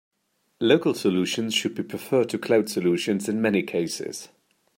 Local solutions should be preferred to cloud solutions in many cases.